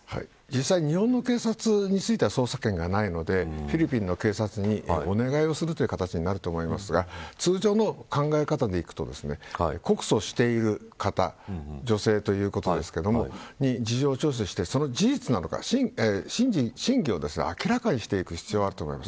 実際、日本の警察については捜査権がないのでフィリピンの警察にお願いをするという形になると思いますが通常の考え方でいくと告訴している方女性ということですけれども事情聴取をしてその真偽を明らかにしていく必要があると思います。